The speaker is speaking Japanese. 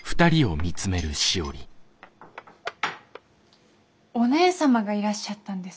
お姉様がいらっしゃったんですね。